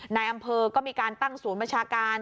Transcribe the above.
นายอำเภอก็มีการตั้งศูนย์บัญชาการ